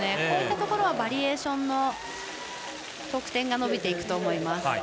こういったところはバリエーションの得点が伸びていくと思います。